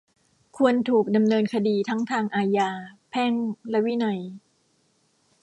ควรถูกดำเนินคดีทั้งทางอาญา แพ่ง และวินัย